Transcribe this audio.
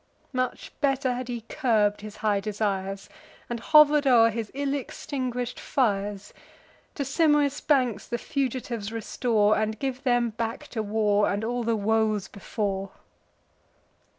Much better had he curb'd his high desires, And hover'd o'er his ill extinguish'd fires. To Simois' banks the fugitives restore, And give them back to war, and all the woes before."